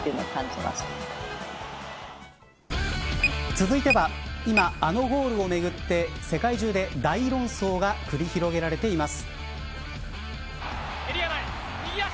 続いては今あのゴールをめぐって世界中で大論争が繰り広げられています。